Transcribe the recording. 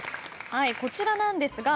こちらなんですが。